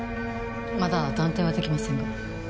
まだ断定はできませんが。